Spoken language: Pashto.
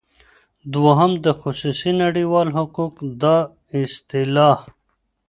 دوهم د خصوصی نړیوال حقوق دا اصطلاح